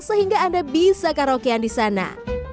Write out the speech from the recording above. sehingga anda bisa karaokean di sana